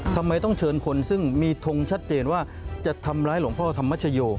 ทำไมต้องเชิญคนซึ่งมีทงชัดเจนว่าจะทำร้ายหลวงพ่อธรรมชโย